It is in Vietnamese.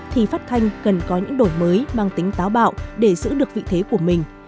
thì phát thanh cần có những đổi mới mang tính táo bạo để giữ được vị thế của mình